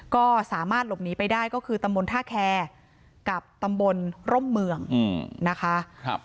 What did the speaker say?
ก็สามารถหลบหนีไปได้ก็คือตำบลท่าแคร์กับตำบลร่มเมืองนะคะ